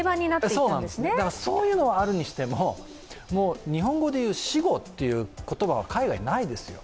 そういうのはあるにしても、日本語でいう死語という言葉は海外にはないです。